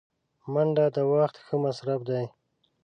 منډه د وخت ښه مصرف دی